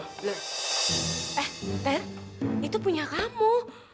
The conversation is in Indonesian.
eh teh itu punya kamu